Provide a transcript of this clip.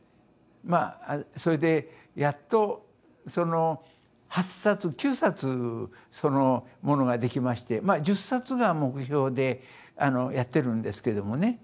まあそれでやっとその８冊９冊そのものができましてまあ１０冊が目標でやってるんですけどもね。